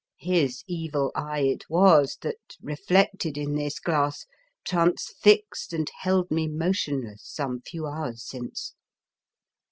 His evil eye it was that, reflected in this glass, transfixed and held me mo tionless some few hours since.